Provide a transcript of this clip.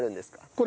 これ。